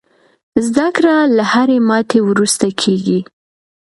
زده کړه له هرې ماتې وروسته کېږي.